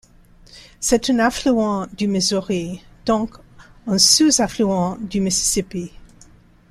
C'est un affluent du Missouri, donc un sous-affluent du Mississippi.